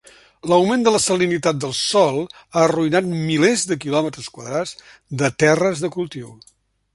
L'augment de la salinitat del sòl ha arruïnat milers de quilòmetres quadrats de terres de cultiu.